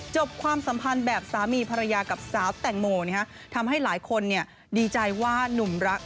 ความสัมพันธ์แบบสามีภรรยากับสาวแตงโมทำให้หลายคนดีใจว่านุ่มรัก